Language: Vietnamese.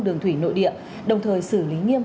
đường thủy nội địa đồng thời xử lý nghiêm